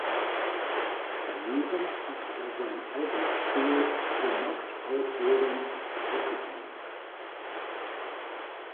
Daneben hat er sein eigenes Trio The Knocked Out Rhythms (Rockabilly).